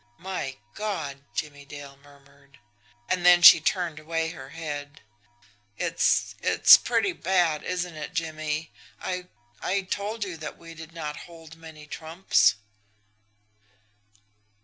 "My God!" Jimmie Dale murmured. And then she turned away her head. "It's it's pretty bad, isn't it, Jimmie? I I told you that we did not hold many trumps."